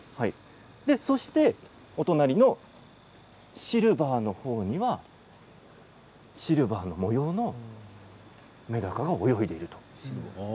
そしてお隣のシルバーのほうにはシルバーの模様のめだかが泳いでいます。